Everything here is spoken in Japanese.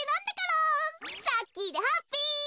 ラッキーでハッピー！